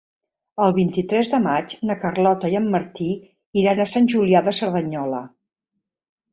El vint-i-tres de maig na Carlota i en Martí iran a Sant Julià de Cerdanyola.